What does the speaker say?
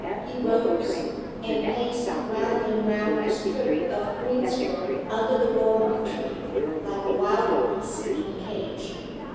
He rose, and paced round and round the strip of greensward under the walnut tree, like a wild beast in a cage.